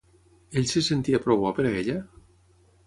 Ell se sentia prou bo per a ella?